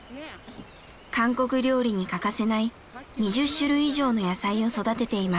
韓国料理に欠かせない２０種類以上の野菜を育てています。